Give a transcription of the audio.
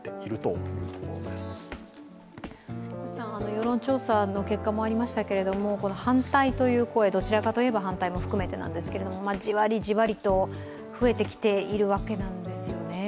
世論調査の結果もありましたけれども、反対のという声どちらかといえば反対も含めて何ですけれども、じわりじわりと増えてきているわけなんですよね。